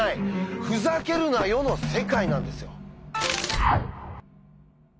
「ふざけるなよ」の世界なんですよ。